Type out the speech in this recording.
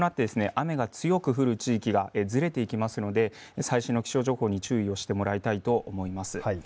雨が強く降る地域がずれていきますので最新の気象情報に注意してもらいたいと思います。